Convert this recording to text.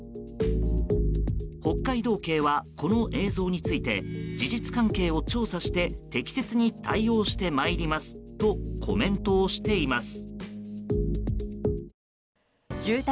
北海道警は、この映像について事実関係を調査して適切に対応してまいりますとコメントをしています。